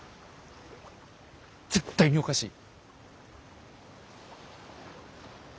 絶対におかしい。